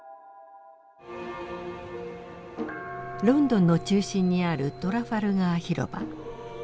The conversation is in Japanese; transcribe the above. ロンドンの中心にあるトラファルガー広場。